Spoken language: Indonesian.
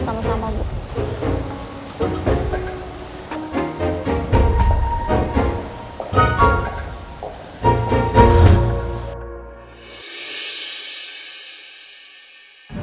ya sama sama bu